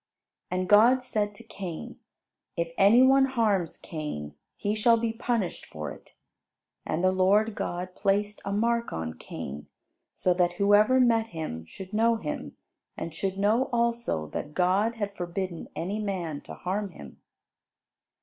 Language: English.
And God said to Cain, "If any one harms Cain, he shall be punished for it." And the Lord God placed a mark on Cain, so that whoever met him should know him and should know also that God had forbidden any man to harm him.